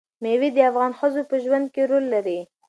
مېوې د افغان ښځو په ژوند کې رول لري.